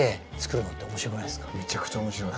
めちゃくちゃ面白い。